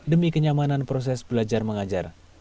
demi kenyamanan proses belajar mengajar